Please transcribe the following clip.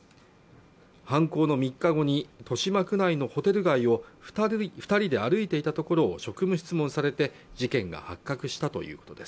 犯行の３日後に豊島区内のホテル街を二人で歩いていたところを職務質問されて事件が発覚したということです